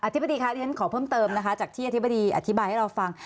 อธิบดีครับขอเพิ่มเติมจากที่อธิบดีอธิบายให้เราฟัง